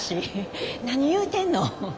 何言うてんの。